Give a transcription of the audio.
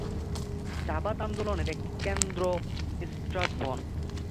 চাবাদ আন্দোলনের একটি কেন্দ্র স্ট্রাথভন।